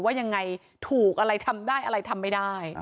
ว่ายังไงถูกอะไรทำได้อะไรทำไม่ได้